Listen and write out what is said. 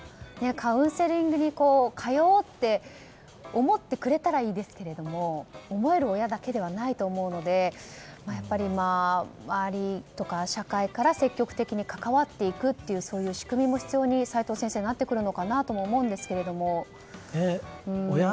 カウンセリングに通おうって思ってくれたらいいですけれども思える親だけではないと思うのでやっぱり周りとか社会から積極的にかかわっていくという仕組みも必要になってくるのかなと思うんですけどね、齋藤先生。